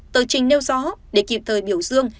tờ trình nêu gió để kịp thời biểu dương